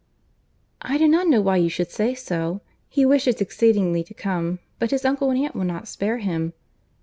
"I do not know why you should say so. He wishes exceedingly to come; but his uncle and aunt will not spare him."